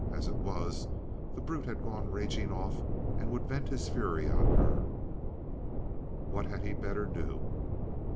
As it was, the brute had gone raging off and would vent his fury on her. What had he better do?